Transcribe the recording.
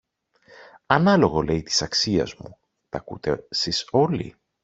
Ανάλογο, λέει, της αξίας μου, τ' ακούτε σεις όλοι;